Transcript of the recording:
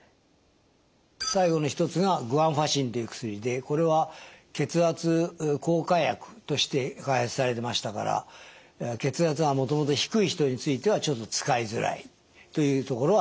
最後の一つがこれは血圧降下薬として開発されましたから血圧がもともと低い人についてはちょっと使いづらいというところがあります。